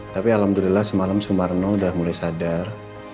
tapi alhamdulillah semalam sumarno udah mulai sadar